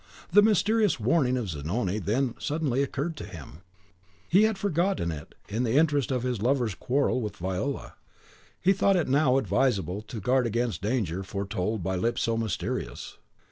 The mysterious warning of Zanoni then suddenly occurred to him; he had forgotten it in the interest of his lover's quarrel with Viola. He thought it now advisable to guard against danger foretold by lips so mysterious.